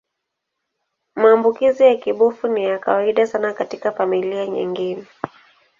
Maambukizi ya kibofu ni ya kawaida sana katika familia nyingine.